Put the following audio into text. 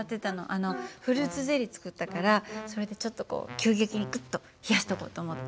あのフルーツゼリー作ったからそれでちょっとこう急激にクッと冷やしとこうと思って。